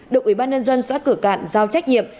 đồng ubnd xã cửa cạn giao trách nhiệm